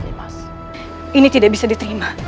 ini tidak bisa diterima